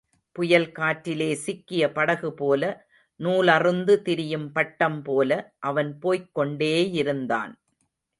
புயல் காற்றிலே சிக்கிய படகு போல, நூலறுந்து திரியும் பட்டம் போல, அவன் போய்க் கொண்டேயிருந்தான்.